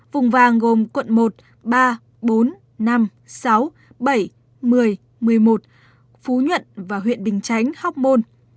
vùng vàng gồm quận một ba bốn năm sáu bảy một mươi một mươi một phú nhuận và huyện bình chánh hóc môn